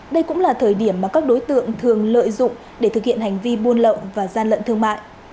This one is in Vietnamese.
đây cũng là thời điểm mà các đối tượng thường lợi dụng để thực hiện hành vi buôn lậu và gian lận thương mại